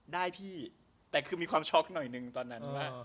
ได้พี่แต่คือมีความช็อกหน่อยหนึ่งตอนนั้นว่า